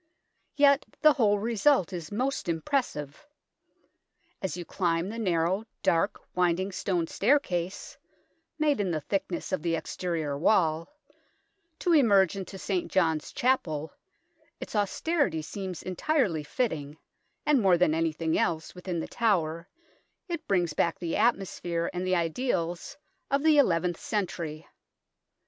Yet the whole result is most impressive. As you climb the narrow, dark, winding stone stair case, made in the thickness of the exterior wall, to emerge into St. John's Chapel, its austerity seems entirely fitting, and more than anything else within The Tower it brings back the atmosphere and the ideals of the eleventh century.